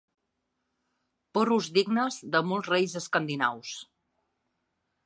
Porros dignes de molts reis escandinaus.